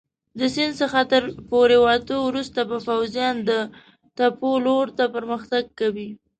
د سیند څخه تر پورېوتو وروسته به پوځیان د تپو لور ته پرمختګ کوي.